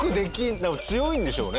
だから強いんでしょうね